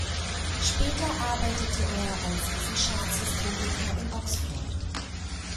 Später arbeitete er als Wissenschaftshistoriker in Oxford.